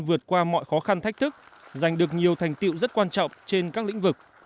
vượt qua mọi khó khăn thách thức giành được nhiều thành tiệu rất quan trọng trên các lĩnh vực